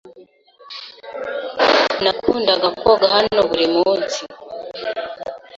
Nakundaga koga hano buri munsi.